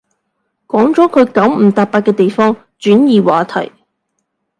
講咗佢九唔搭八嘅地方，轉移話題